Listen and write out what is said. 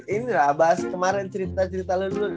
ini lah bahas kemarin cerita cerita lu dulu